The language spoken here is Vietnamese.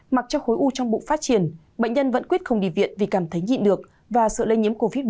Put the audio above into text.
mặc cho khối u trong bụng phát triển bệnh nhân vẫn quyết không đi viện vì cảm thấy nhịn được và sợ lây nhiễm covid một mươi chín